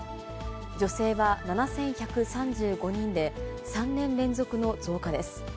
女性は７１３５人で、３年連続の増加です。